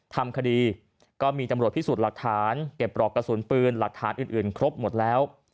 ทำคดีก็มีตำรวจพิสูจน์หลักฐานเก็บปลอกกระสุนปืนหลักฐานอื่นครบหมดแล้ว